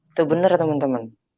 itu benar teman teman